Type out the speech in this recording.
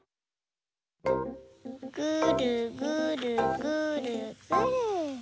ぐるぐるぐるぐる。